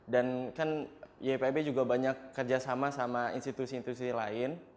dan kan yp ab juga banyak kerjasama sama institusi institusi lain